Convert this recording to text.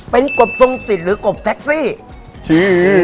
เป็นกบทรงสิทธิ์หรือกบแท็กซี่